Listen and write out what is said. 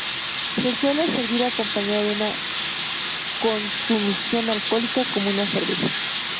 Se suele servir acompañado de una consumición alcohólica como una cerveza.